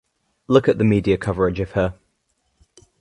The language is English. Look at the media coverage of her.